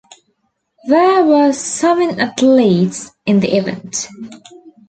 There were seven athletes in the event.